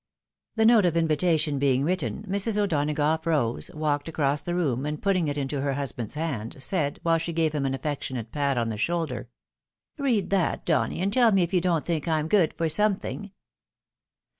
The note of invitation being written, Mrs. O'Donagough rose, walked across the room, and putting it into her husband's hand, said, while she gave Mm an affectionate pat on the shoulder, " Read that, Donny, and tell me if you don't think I'm good for something